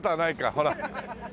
ほら。